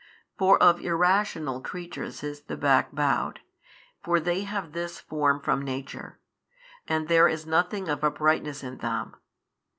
For of irrational creatures is the back bowed, for they have this form from nature, and there is nothing of uprightness in them.